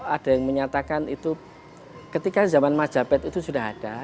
ada yang menyatakan itu ketika zaman majapahit itu sudah ada